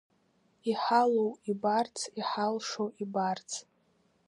Иҳалоу ибарц, иҳалшо ибарц…